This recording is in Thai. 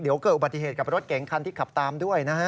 เดี๋ยวเกิดอุบัติเหตุกับรถเก๋งคันที่ขับตามด้วยนะฮะ